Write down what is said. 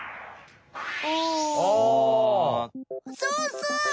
そうそう！